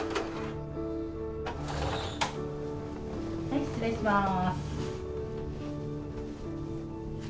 はい失礼します。